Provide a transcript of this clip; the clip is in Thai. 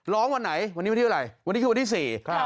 ร้องวันไหนวันนี้วันที่อะไรวันนี้คือวันที่สี่ครับ